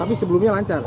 tapi sebelumnya lancar